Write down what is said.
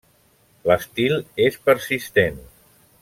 L'estil és persistent.